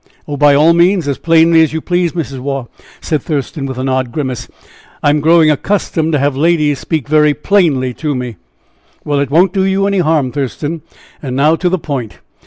"Oh! by all means! As plainly as you please, Mrs. Waugh," said Thurston, with an odd grimace; "I am growing accustomed to have ladies speak very plainly to me." "Well! it won't do you any harm, Thurston. And now to the point!